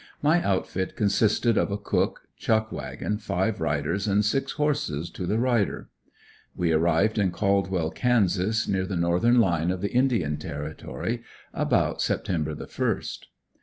My outfit consisted of a cook, chuck wagon, five riders, and six horses to the rider. We arrived in Caldwell, Kansas, near the northern line of the Indian Territory, about September the first.